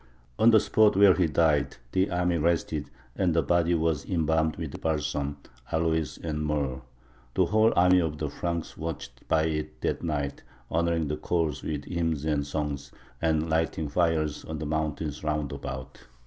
On the spot where he died the army rested, and the body was embalmed with balsam, aloes, and myrrh. The whole army of the Franks watched by it that night, honouring the corse with hymns and songs, and lighting fires on the mountains round about.